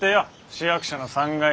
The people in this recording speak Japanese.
市役所の３階に。